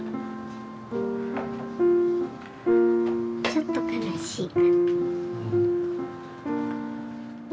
ちょっと悲しい。